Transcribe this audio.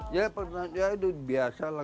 ya itu biasa lah